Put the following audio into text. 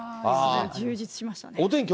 充実しました。